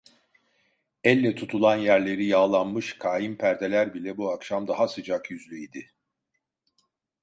Elle tutulan yerleri yağlanmış kaim perdeler bile bu akşam daha sıcak yüzlü idi.